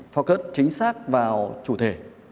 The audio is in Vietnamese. focus chính xác vào chủ thể